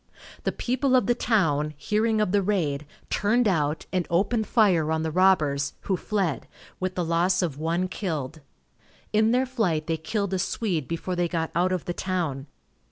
The people of the town, hearing of the raid, turned out, and opened fire on the robbers, who fled, with the loss of one killed. In their flight they killed a Swede before they got out of the town.